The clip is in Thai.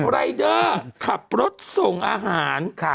รายเดอร์ขับรถส่งอาหาร